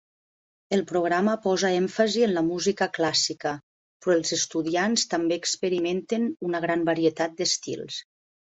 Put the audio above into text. El programa posa èmfasi en la música clàssica, però els estudiants també experimenten una gran varietat d'estils.